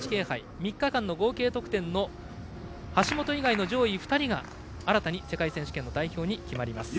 ３日間の合計得点の橋本以外の上位２人が新たに世界選手権の代表に決まります。